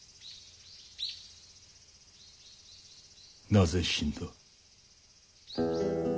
なぜ死んだ？